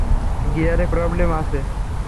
গিয়ারে প্রবলেম আছে।